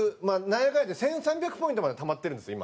なんやかんやで１３００ポイントまでたまってるんですよ